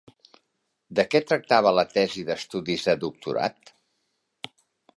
De què tractava la seva tesi d'estudis de doctorat?